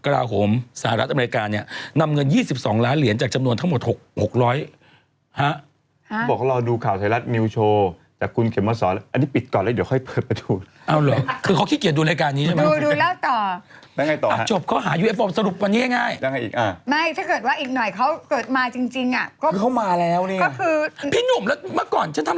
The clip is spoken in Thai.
แต่อะไรนะคุณประไทยข่าวคุณอันแรกเลยค่ะณเดชยายาแน่บชิดค่ะ